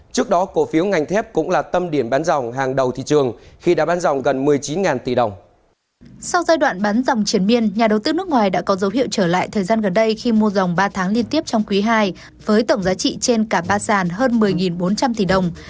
có dấu hiệu trở lại thời gian gần đây khi mua dòng ba tháng liên tiếp trong quý hai với tổng giá trị trên cả ba sàn hơn một mươi bốn trăm linh tỷ đồng